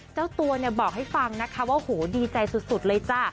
เจ้าตัวเนี่ยบอกให้ฟังนะคะว่าโหดีใจสุดเลยจ้ะ